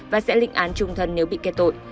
và sẽ lịnh án trung thân nếu bị kết tội